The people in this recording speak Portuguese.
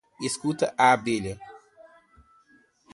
escute a abelha